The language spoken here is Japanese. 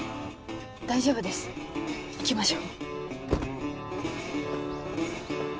大丈夫です行きましょう。